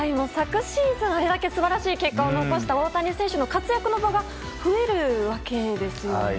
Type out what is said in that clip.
昨シーズン、あれだけ素晴らしい結果を残した大谷選手の活躍の場が増えるわけですよね。